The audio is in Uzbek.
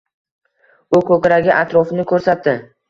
U koʻkragi atrofini koʻrsatdi